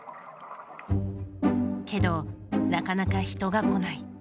けどなかなか人が来ない。